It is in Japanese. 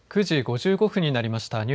９時５５分になりました。